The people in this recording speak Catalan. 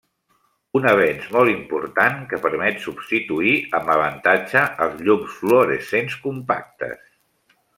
Un avenç molt important que permet substituir amb avantatge els llums fluorescents compactes.